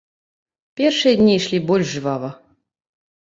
Першыя дні ішлі больш жвава.